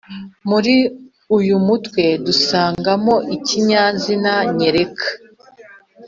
muri uyu mutwe dusangamo ikinyazina nyereka.